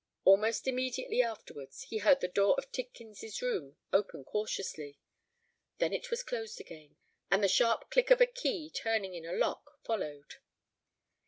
Almost immediately afterwards, he heard the door of Tidkins' room open cautiously: then it was closed again, and the sharp click of a key turning in a lock followed.